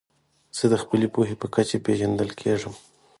زه د خپلي پوهي په کچه پېژندل کېږم.